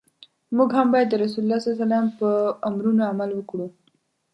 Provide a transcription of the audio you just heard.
موږ هم باید د رسول الله ص په امرونو عمل وکړو.